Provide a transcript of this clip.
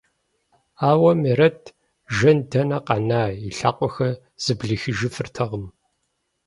Ауэ Мерэт, жэн дэнэ къэна, и лъакъуэхэр зэблихыжыфыртэкъым.